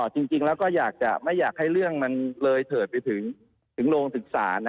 จริงแล้วก็อยากจะไม่อยากให้เรื่องมันเลยเถิดไปถึงโรงศึกษา